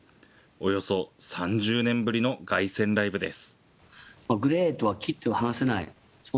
およそ３０年ぶりの凱旋ライブです。